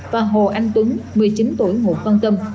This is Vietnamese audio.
và hồ anh tuấn một mươi chín tuổi ngụ quan tâm